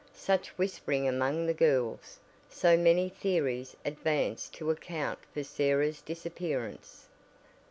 Such whispering among the girls so many theories advanced to account for Sarah's disappearance.